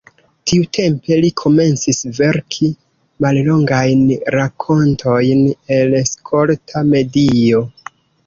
Tiutempe li komencis verki mallongajn rakontojn el skolta medio.